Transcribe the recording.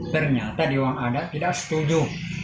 ternyata dewan adat tidak setuju